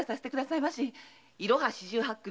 「いろは四十八組」